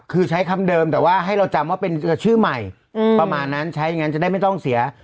คือใช้คำเดิมแต่ว่าให้เราจำว่าเป็นชื่อใหม่ประมาณนั้นใช้อย่างนั้นจะได้ไม่ต้องเสีย